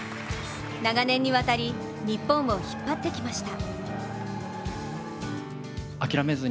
長年にわたり日本を引っ張ってきました。